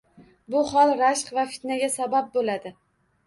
Bu hol rashk va fitnaga sabab bo‘ladi.